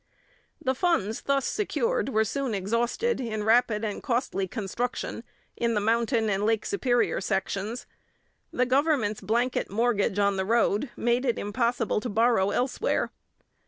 The funds thus secured were soon exhausted in rapid and costly construction in the mountain and Lake Superior sections. The government's blanket mortgage on the road made it impossible to borrow elsewhere.